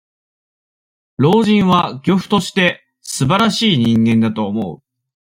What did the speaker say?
老人は、漁夫として、すばらしい人間だと思う。